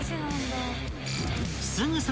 ［すぐさま］